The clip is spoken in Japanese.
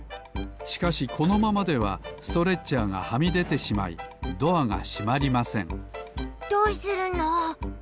しかしこのままではストレッチャーがはみでてしまいドアがしまりませんどうするの？